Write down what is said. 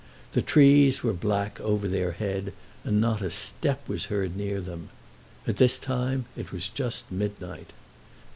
The trees were black over their head, and not a step was heard near them. At this time it was just midnight.